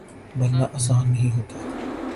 بننا آسان نہیں ہوتا